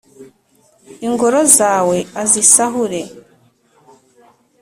ingoro zawe azisahure.